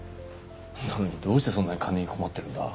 なのにどうしてそんなに金に困ってるんだ？